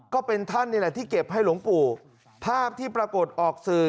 ก็เป็นท่านนี่แหละที่เก็บให้หลวงปู่ภาพที่ปรากฏออกสื่อ